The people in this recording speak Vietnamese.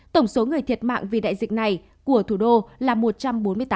tổng số người thiệt mạng vì đại dịch này của thủ đô là một trăm bốn mươi tám